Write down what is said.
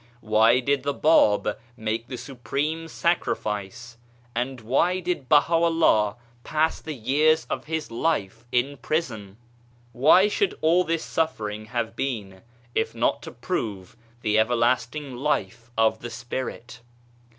Why did the Bab make the supreme sacrifice, and why did Bah'u'llah pass the years of his life in prison ? Why should all this suffering have been, if not to prove the everlasting life of the Spirit